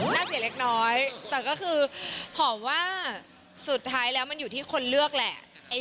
น่าเสียเล็กน้อยแต่ก็คือหอมว่าสุดท้ายแล้วมันอยู่ที่คนเลือกแหละ